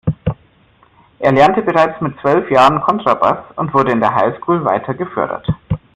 Er lernte bereits mit zwölf Jahren Kontrabass und wurde in der Highschool weiter gefördert.